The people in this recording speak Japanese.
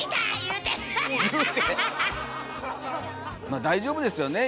まあ大丈夫ですよね。